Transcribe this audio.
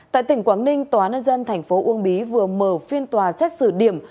tại tỉnh quảng ninh tòa nân dân tp uông bí vừa mở phiên tòa xét xử điểm